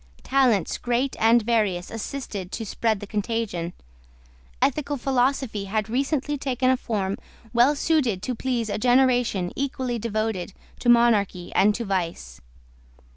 Talents great and various assisted to spread the contagion. Ethical philosophy had recently taken a form well suited to please a generation equally devoted to monarchy and to vice.